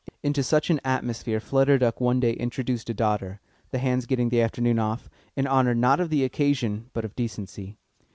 Into such an atmosphere Flutter Duck one day introduced a daughter, the "hands" getting an afternoon off, in honour not of the occasion but of decency.